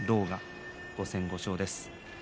５戦５勝です。